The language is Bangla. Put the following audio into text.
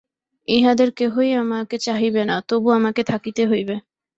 ইহাদের কেহই আমাকে চাহিবে না, তবু আমাকে থাকিতে হইবে।